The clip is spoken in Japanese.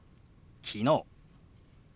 「昨日」。